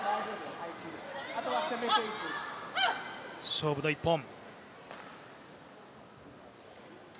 勝負の１本。